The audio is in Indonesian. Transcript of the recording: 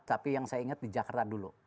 tapi yang saya ingat di jakarta dulu